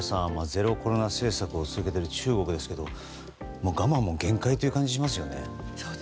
ゼロコロナ政策を続けている中国ですけど我慢の限界という感じがしますね。